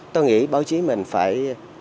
tôi nghĩ báo chí mình phải